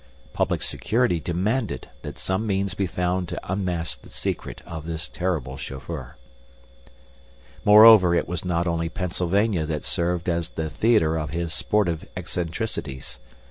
Public security demanded that some means be found to unmask the secret of this terrible chauffeur. Moreover, it was not only Pennsylvania that served as the theater of his sportive eccentricities.